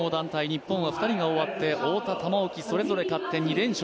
日本は２人が終わって太田、玉置、それぞれ勝って２連勝。